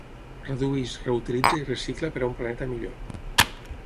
Redueix, reutilitza i recicla per a un planeta millor.